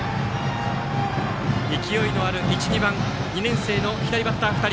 勢いのある１、２番２年生の左バッター２人。